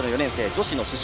女子の主将。